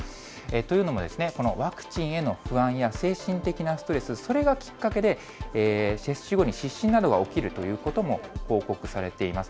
というのも、このワクチンへの不安や精神的なストレス、それがきっかけで、接種後に失神などが起きるということも報告されています。